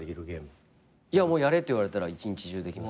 やれって言われたら一日中できます。